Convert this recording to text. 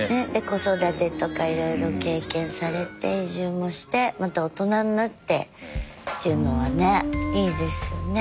子育てとかいろいろ経験されて移住もしてまた大人になってっていうのはねいいですよね。